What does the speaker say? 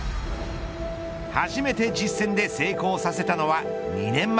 初めて実戦で成功させたのは２年前。